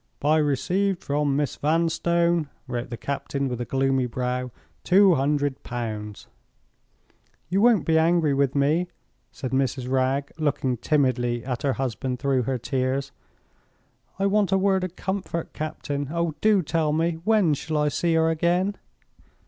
"By Rec'd from Miss Vanstone," wrote the captain, with a gloomy brow, "Two hundred pounds." "You won't be angry with me?" said Mrs. Wragge, looking timidly at her husband through her tears. "I want a word of comfort, captain. Oh, do tell me, when shall I see her again?"